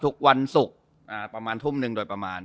ทุกวันศุกร์ประมาณทุ่มหนึ่งโดยประมาณ